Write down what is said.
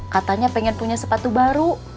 katanya pengen punya sepatu baru